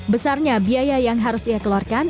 besarnya biaya yang harus dia keluarkan